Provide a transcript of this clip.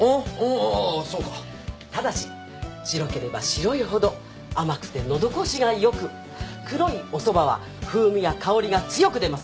うんそうかただし白ければ白いほど甘くてのどごしがよく黒いおそばは風味や香りが強く出ます